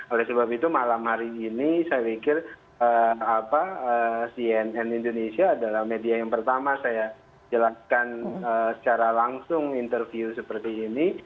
oleh sebab itu malam hari ini saya pikir cnn indonesia adalah media yang pertama saya jelaskan secara langsung interview seperti ini